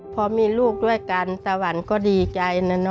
พอมีลูกด้วยกันตะวันก็ดีใจนะเน